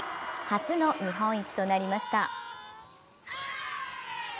初の日本一となりました。